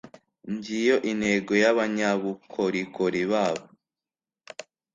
ngiyo intego yabanyabukorikori babo